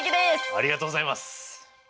ありがとうございます！